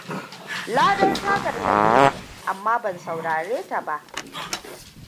Lare ta gargaɗe ni, amma ban saurare ta ba.